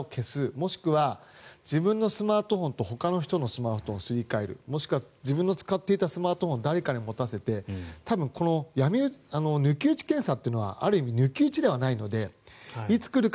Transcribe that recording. もしくは自分のスマートフォンとほかの人のスマートフォンをすり替えるもしくは自分の使っていたスマートフォンを誰かに持たせて多分この抜き打ち検査というのはある意味抜き打ちではないのでいつ来るか